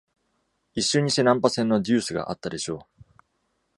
一瞬にして難破船の deuce があったでしょう。